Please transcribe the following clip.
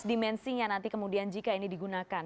ini ya nanti kemudian jika ini digunakan